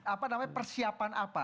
apa namanya persiapan apa